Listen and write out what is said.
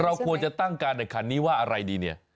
เราควรจะตั้งการแข่งขันนี้ว่าอะไรดีเนี่ย